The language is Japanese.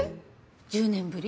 １０年ぶり？